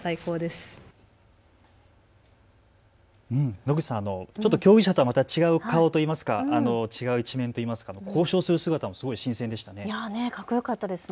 野口さん、ちょっと競技者とまた違う顔といいますか、違う一面といいますか、交渉する姿もすごい新鮮でしたね。